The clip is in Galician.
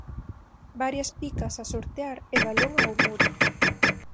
Varias picas a sortear e balón ao muro.